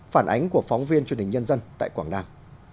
phản ánh của phóng viên truyền hình nhân dân tại quảng nam